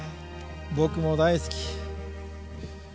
僕も大好き。